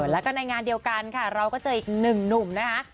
แล้วก็ในงานเดียวกันค่ะเราก็เจออีกหนึ่งหนุ่มนะคะ